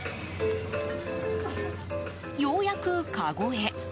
ようやく、かごへ。